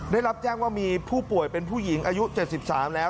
ได้รับแจ้งว่ามีผู้ป่วยเป็นผู้หญิงอายุ๗๓แล้ว